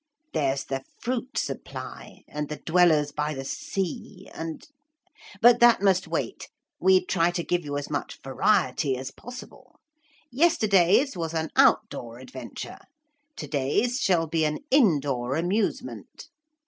'There's the fruit supply, and the Dwellers by the sea, and But that must wait. We try to give you as much variety as possible. Yesterday's was an out door adventure. To day's shall be an indoor amusement.